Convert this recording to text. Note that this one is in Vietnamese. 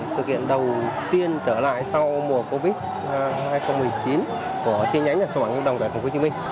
sự kiện đầu tiên trở lại sau mùa covid một mươi chín của chi nhánh nhà xuất bán kim đồng tại tp hcm